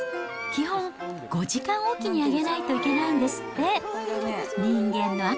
基本、５時間置きにあげないといけないんですって。